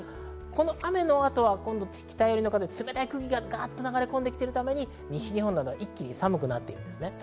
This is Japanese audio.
雨の後は北よりの風、冷たい空気が流れ込んでくるため西日本などは一気に寒くなります。